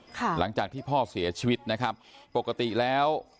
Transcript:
หลังจากที่พ่อเสียชีวิตนะครับปกติแล้ว